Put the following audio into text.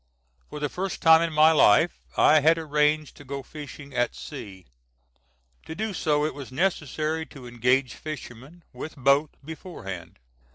For the first time in my life I had arranged to go fishing at sea. To do so it was necessary to engage fishermen, with boat, beforehand.